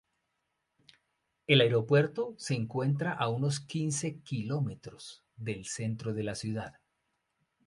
El aeropuerto se encuentra a unos quince kilómetros del centro de la ciudad.